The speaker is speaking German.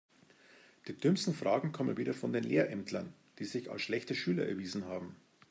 Die dümmsten Fragen kommen mal wieder von den Lehrämtlern, die sich als schlechte Schüler erwiesen haben.